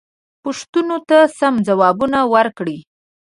پوښتنو ته سم ځوابونه ورکړئ.